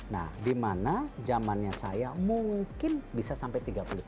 nah dimana zamannya saya mungkin bisa sampai tiga puluh tahun